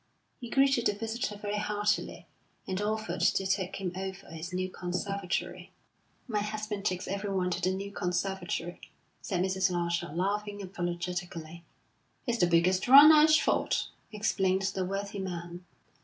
He greeted the visitor very heartily, and offered to take him over his new conservatory. "My husband takes everyone to the new conservatory," said Mrs. Larcher, laughing apologetically. "It's the biggest round Ashford," explained the worthy man.